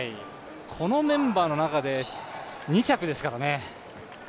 このメンバーの中で２着ですからね。